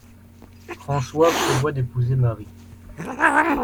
François prévoit d'épouser Marie.